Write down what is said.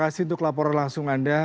terima kasih untuk laporan langsung anda